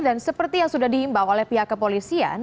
dan seperti yang sudah diimbau oleh pihak kepolisian